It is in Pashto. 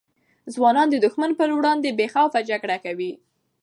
ځوانان د دښمن پر وړاندې بې خوف جګړه کوي.